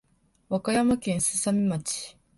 和歌山県すさみ町